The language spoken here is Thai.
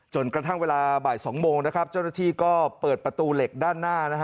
จนกระทั่งเวลา๒๒๐๐นเจ้านธุรกรภีมก็เปิดประตูเหล็กด้านหน้า